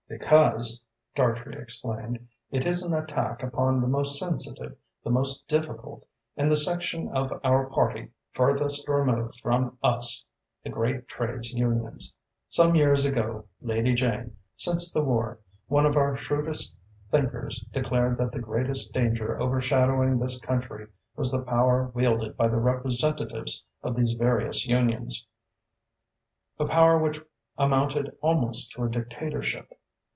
"Because," Dartrey explained, "it is an attack upon the most sensitive, the most difficult, and the section of our party furthest removed from us the great trades unions. Some years ago, Lady Jane, since the war, one of our shrewdest thinkers declared that the greatest danger overshadowing this country was the power wielded by the representatives of these various unions, a power which amounted almost to a dictatorship.